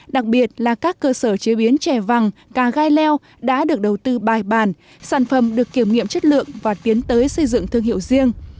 đặc biệt là các cơ sở chế biến chè vàng cà gai leo đã được đầu tư bài bản sản phẩm được kiểm nghiệm chất lượng và tiến tới xây dựng thương hiệu riêng